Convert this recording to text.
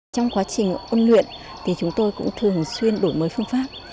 trong quá trình ôn luyện thì chúng tôi cũng thường xuyên đổi mới phương pháp